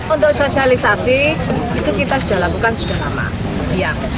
untuk sosialisasi itu kita sudah lakukan sudah lama